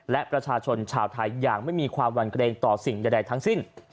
และประชาชนชาวไทยอย่างไม่มีความหั่นเกรงต่อสิ่งใดทั้งสิ้น